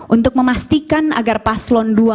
untuk memastikan agar paslon dua